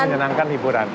menyenangkan dan hiburan